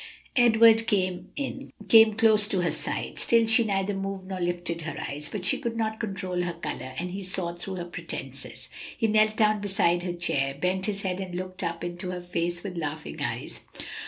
Edward came in, came close to her side. Still she neither moved nor lifted her eyes. But she could not control her color, and he saw through her pretences. He knelt down beside her chair, bent his head and looked up into her face with laughing eyes.